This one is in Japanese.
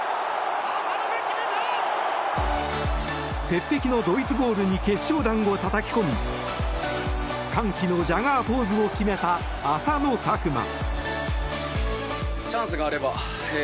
鉄壁のドイツゴールに決勝弾をたたき込み歓喜のジャガーポーズを決めた浅野拓磨。